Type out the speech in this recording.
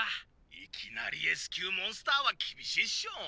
・いきなりＳ級モンスターはきびしいっしょ。